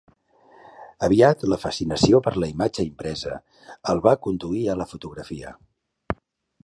Aviat la fascinació per la imatge impresa el va conduir a la fotografia.